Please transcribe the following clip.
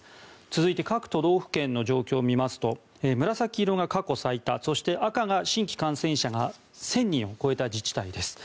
続いて各都道府県の状況を見ますと紫色が過去最多そして赤が新規感染者が１０００人を超えた自治体です。